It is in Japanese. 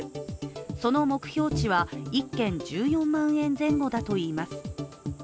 その目標値は、１件１４万円前後だといいます。